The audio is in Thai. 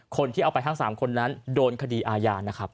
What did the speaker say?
คนที่เอาไปทั้ง๓คนนั้นโดนคดีอาญานะครับ